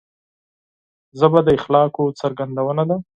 ژبه د اخلاقو څرګندونه ده